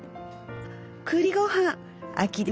あ栗ごはん！